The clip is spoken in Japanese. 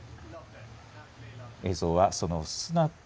映像はそのスナク